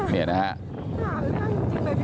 เนี่ยนะฮะดูดิ